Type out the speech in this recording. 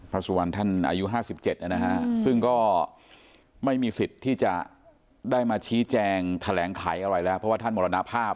สุวรรณท่านอายุ๕๗นะฮะซึ่งก็ไม่มีสิทธิ์ที่จะได้มาชี้แจงแถลงไขอะไรแล้วเพราะว่าท่านมรณภาพ